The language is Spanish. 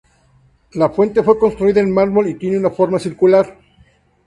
La fuente fue construida en mármol y tiene una forma circular.